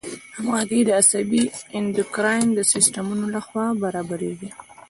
همغږي د عصبي او اندوکراین د سیستمونو له خوا برابریږي.